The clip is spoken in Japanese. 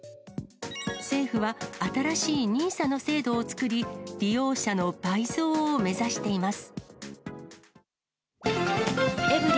政府は、新しいＮＩＳＡの制度を作り、利用者の倍増を目指しています。